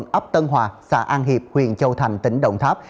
ấp tân hòa xã an hiệp huyện châu thành tỉnh đồng tháp